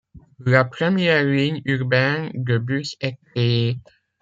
La première ligne urbaine de bus est créée.